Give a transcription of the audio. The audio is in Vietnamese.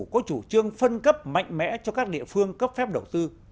có chủ trương phân cấp mạnh mẽ cho các địa phương cấp phép đầu tư